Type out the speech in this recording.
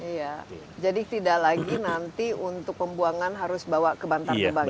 iya jadi tidak lagi nanti untuk pembuangan harus bawa ke bantar gebang ya